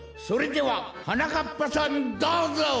それでははなかっぱさんどうぞ！